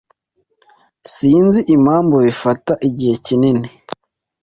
Sinzi impamvu bifata igihe kinini.